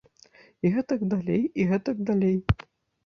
І гэтак далей, і гэтак далей.